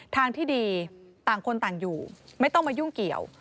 ทางที่ดีต่างคนต่างอยู่ไม่ต้องมายุ่งเกี่ยว